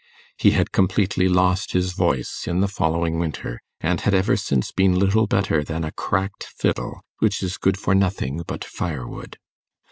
He had completely lost his voice in the following winter, and had ever since been little better than a cracked fiddle, which is good for nothing but firewood.